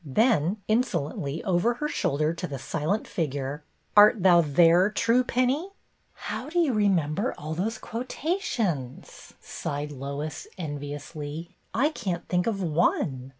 Then, insolently over her shoulder to the silent figure, — "Art thou there, truepenny?" " How do 3'^ou remember all those quota tions ?" sighed Lois, enviously. " I can't think of one."